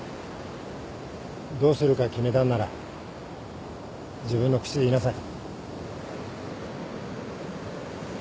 どうするか決めたんなら自分の口で言いなさい。